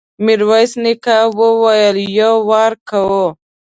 ميرويس نيکه وويل: يو وار کوو.